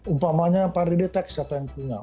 umpamanya pari detek siapa yang punya